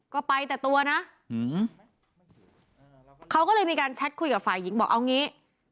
ก็ไปแต่ตัวนะเขาก็เลยมีการแชทคุยกับฝ่ายหญิงบอกเอางี้